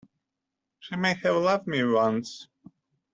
She may have loved me once.